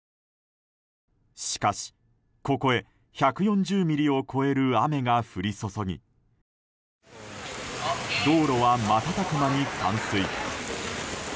しかし、ここへ１４０ミリを超える雨が降り注ぎ道路は瞬く間に冠水。